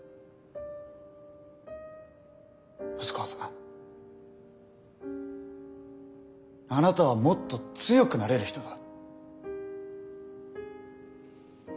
細川さんあなたはもっと強くなれる人だ。